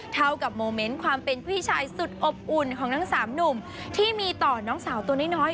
เท่ากับโมเมนต์ความเป็นพี่ชายสุดอบอุ่นของทั้งสามหนุ่มที่มีต่อน้องสาวตัวน้อย